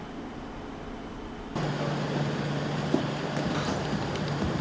phát biểu tại hội đàm